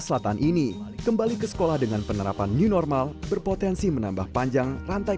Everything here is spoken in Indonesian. selatan ini kembali ke sekolah dengan penerapan new normal berpotensi menambah panjang rantai